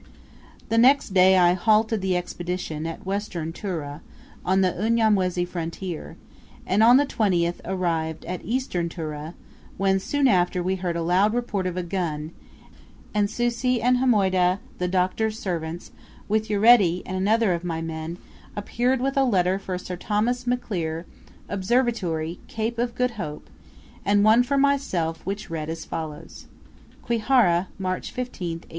The next day I halted the Expedition at Western Tura, on the Unyamwezi frontier, and on the 20th arrived at Eastern Tura; when, soon after, we heard a loud report of a gun, and Susi and Hamoydah, the Doctor's servants, with Uredi, and another of my men, appeared with a letter for "Sir Thomas MacLear, Observatory, Cape of Good Hope," and one for myself, which read as follows: Kwihara, March 15, 1872.